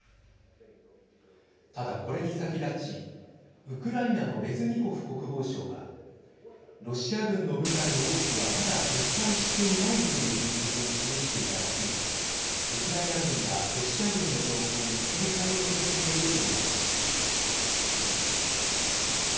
ただ、これに先立ちウクライナのレズニコフ国防相はロシア軍の部隊の多くはまだ撤退していないという分析を示していただけにウクライナ軍はロシア軍の動向に警戒を続けていると見られます。